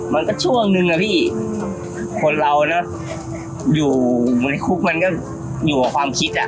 มันก็ช่วงนึงอะพี่คนเราเนอะอยู่ในคุกมันก็อยู่กับความคิดอ่ะ